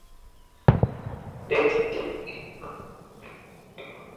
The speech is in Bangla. আগে তাঁরা দেখেছিলেন, একটা ইঁদুরের অসুখ করলে অন্য ইঁদুরগুলো টের পায়।